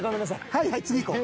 はいはい次いこう。